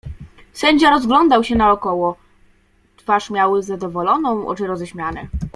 "Sędzia rozglądał się naokoło, twarz miał zadowoloną, oczy roześmiane."